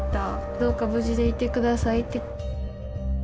どうか無事でいてくださいって。